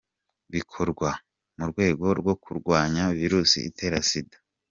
Bikorwa mu rwego rwo kurwanya virusi itera Sida.